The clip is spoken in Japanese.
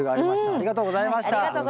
ありがとうございます。